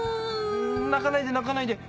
泣かないで泣かないで。